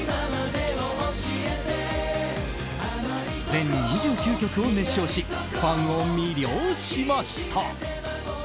全２９曲を熱唱しファンを魅了しました。